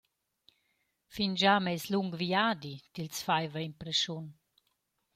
Fingià meis lung viadi tils faiva impreschiun.»